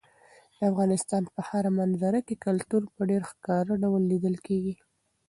د افغانستان په هره منظره کې کلتور په ډېر ښکاره ډول لیدل کېږي.